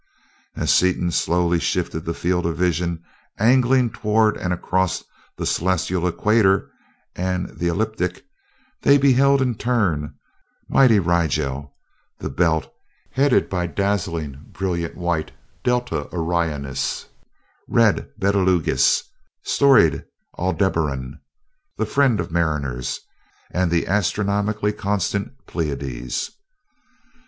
As Seaton slowly shifted the field of vision, angling toward and across the celestial equator and the ecliptic, they beheld in turn mighty Rigel; The Belt, headed by dazzlingly brilliant white Delta Orionis; red Betelguese; storied Aldebaran, the friend of mariners; and the astronomically constant Pleiades.